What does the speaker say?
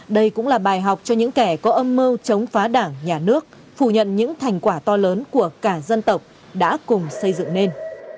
đây cũng là bài học cho những kẻ có âm mưu chống phá đảng nhà nước phủ nhận những thành quả to lớn của cả dân tộc đã cùng xây dựng nên